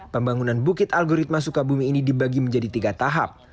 pembangunan bukit algoritma sukabumi ini dibagi menjadi tiga tahap